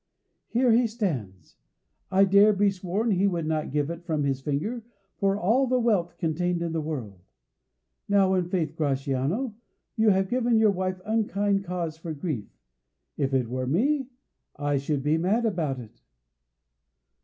"Here he stands. I dare be sworn he would not give it from his finger for all the wealth contained in the world. Now, in faith, Gratiano, you have given your wife unkind cause for grief. If it were me, I should be mad about it."